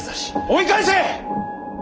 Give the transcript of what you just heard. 追い返せ！